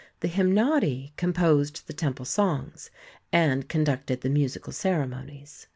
The Hymnodi composed the temple songs and conducted the musical ceremonies.